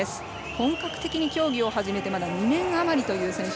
本格的に競技を始めてまだ２年あまりという選手。